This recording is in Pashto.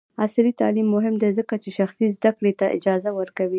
عصري تعلیم مهم دی ځکه چې شخصي زدکړې ته اجازه ورکوي.